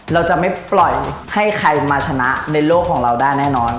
เราจะไม่ปล่อยให้ใครมาชนะในโลกของเราได้แน่นอน